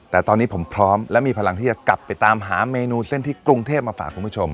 แต่ตอนนี้ผมพร้อมและมีพลังที่จะกลับไปตามหาเมนูเส้นที่กรุงเทพมาฝากคุณผู้ชม